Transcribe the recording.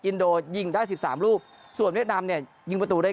อินโดยิงได้สิบสามลูกส่วนเวียดนามเนี่ยยิงประตูได้